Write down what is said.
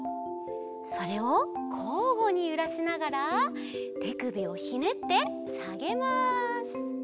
それをこうごにゆらしながらてくびをひねってさげます。